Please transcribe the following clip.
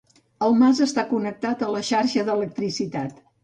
El mas està connectat a la xarxa d'electricitat.